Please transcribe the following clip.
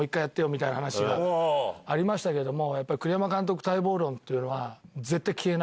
みたいな話がありましたけども。